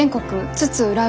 津々浦々？